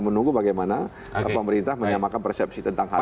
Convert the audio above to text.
menunggu bagaimana pemerintah menyamakan persepsi tentang hal ini